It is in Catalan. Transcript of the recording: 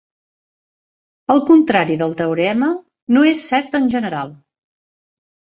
El contrari del teorema no és cert en general.